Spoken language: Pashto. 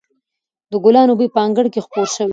د ګلانو بوی په انګړ کې خپور شوی و.